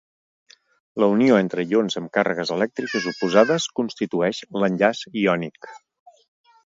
La unió entre ions amb càrregues elèctriques oposades constitueix l'enllaç iònic.